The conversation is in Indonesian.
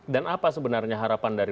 dan apa sebenarnya harapan dari